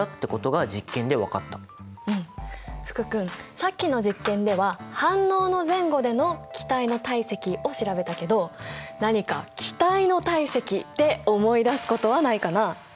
うん福君さっきの実験では反応の前後での気体の体積を調べたけど何か気体の体積で思い出すことはないかな？